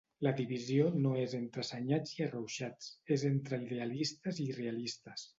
La divisió no és entre assenyats i arrauxats, és entre idealistes i realistes.